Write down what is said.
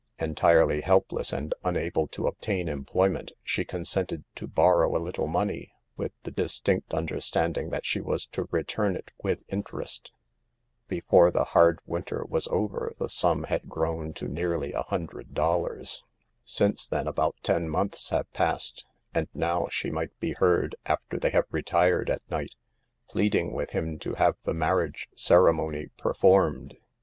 Entirely helpless and unable to obtain employment, she con sented to borrow a little money, with the dis tinct understanding that she was to return it with interest. Before the hard winter was THE PERILS OF POVERTY. 143 over the sum had grown to nearly a hundred dollars. "Since then about ten months have passed; and now she might be heard, after they have retired at night, pleading with him to have the marriage ceremony performed.